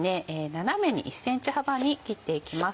斜めに１ｃｍ幅に切っていきます。